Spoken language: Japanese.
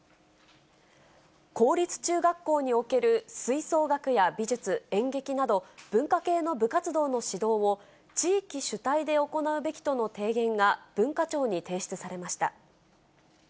公立中学校における吹奏楽や美術、演劇など、文化系の部活動の指導を、地域主体で行うべきとの提言が文化庁に提出されました。